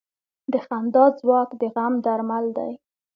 د خندا ځواک د غم درمل دی.